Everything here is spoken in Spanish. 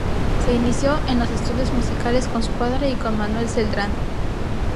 Se inició en los estudios musicales con su padre y con Manuel Celdrán.